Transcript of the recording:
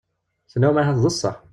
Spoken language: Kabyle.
Tenwim ahat d sseḥ.